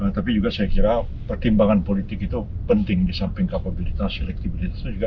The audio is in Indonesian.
tapi juga saya kira pertimbangan politik itu penting disamping kapabilitas selektibilitas itu juga